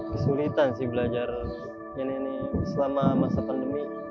kesulitan sih belajar nenek ini selama masa pandemi